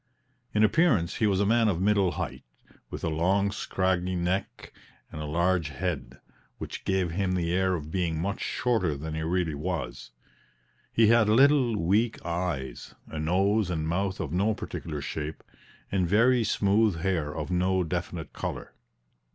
In appearance he was a man of middle height, with a long scraggy neck and a large head, which gave him the air of being much shorter than he really was; he had little, weak eyes, a nose and mouth of no particular shape, and very smooth hair of no definite color.